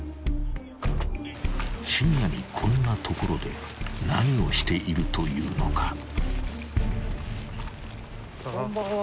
［深夜にこんな所で何をしているというのか？］